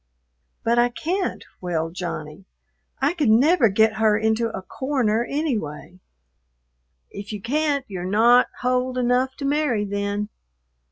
'" "But I can't," wailed Johnny. "I could never get her into a corner anyway." "If you can't, you're not hold enough to marry then.